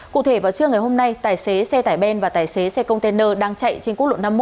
cụ thể vào trưa ngày hôm nay tài xế xe tải ben và tài xế xe container đang chạy trên quốc lộ năm mươi một